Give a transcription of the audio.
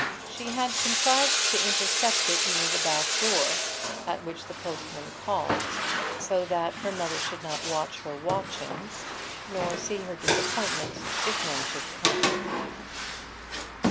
She had contrived to intercept it near the back door, at which the postman called, so that her mother should not watch her watchings, nor see her disappointment if none should come.